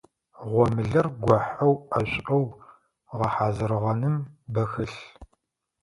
Гъомылэр гохьэу, ӏэшӏоу гъэхьазырыгъэным бэ хэлъ.